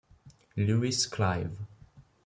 Lewis Clive